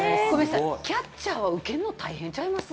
キャッチャーは受けるの大変ちゃいます？